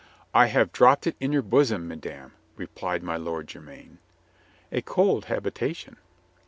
"I have dropped it in your bosom, madame," re plied my Lord Jermyn. "A cold habitation."